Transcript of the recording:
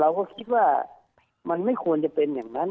เราก็คิดว่ามันไม่ควรจะเป็นอย่างนั้น